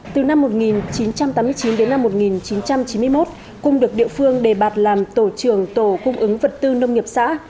từ năm một nghìn chín trăm tám mươi chín đến năm một nghìn chín trăm chín mươi một cung được địa phương đề bạt làm tổ trưởng tổ cung ứng vật tư nông nghiệp xã